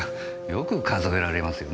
よく数えられますよね？